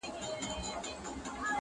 هغه ورځ چي نه لېوه نه قصابان وي-